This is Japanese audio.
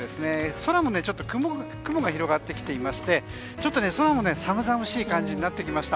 空もちょっと雲が広がってきていましてちょっと空も寒々しい感じになってきました。